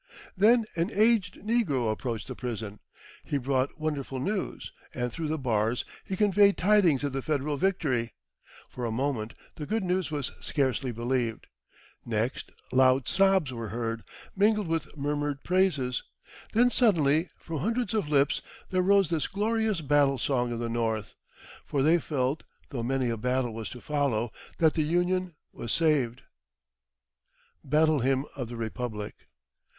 Then an aged negro approached the prison. He brought wonderful news, and through the bars he conveyed tidings of the Federal victory. For a moment the good news was scarcely believed. Next loud sobs were heard, mingled with murmured praises; then suddenly from hundreds of lips there rose this glorious battle song of the North, for they felt, though many a battle was to follow, that the Union was saved: BATTLE HYMN OF THE REPUBLIC.